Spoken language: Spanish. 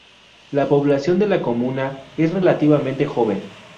La población de la comuna es relativamente joven.